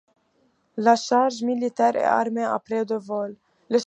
La charge militaire est armée après de vol.